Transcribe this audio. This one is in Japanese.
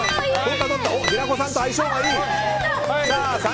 平子さんと相性がいい。